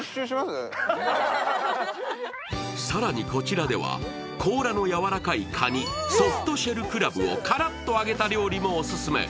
更にこちらでは、甲羅のやわらかいかに、ソフトシェルクラブをカラッと揚げた料理もオススメ。